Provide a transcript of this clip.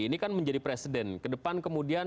ini kan menjadi presiden ke depan kemudian